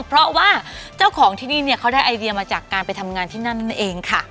เพราะว่าเจ้าของที่นี่เนี่ยเขาได้ไอเดียมาจากการไปทำงานที่นั่นนั่นเองค่ะ